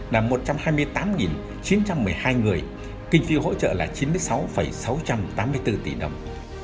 là một trăm hai mươi tám chín trăm một mươi hai người kinh phí hỗ trợ là chín mươi sáu sáu trăm tám mươi bốn tỷ đồng